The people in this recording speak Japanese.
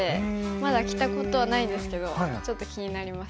まだ着たことないですけどちょっと気になります。